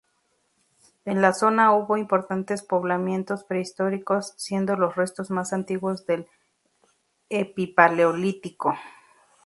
En la zona hubo importantes poblamientos prehistóricos, siendo los restos más antiguo del epipaleolítico.